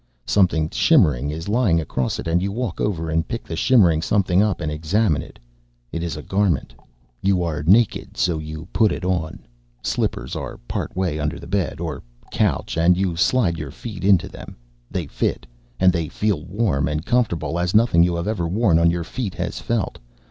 Something shimmering is lying across it and you walk over and pick the shimmering something up and examine it. It is a garment. You are naked, so you put it on. Slippers are part way under the bed (or couch) and you slide your feet into them. They fit, and they feel warm and comfortable as nothing you have ever worn on your feet has felt.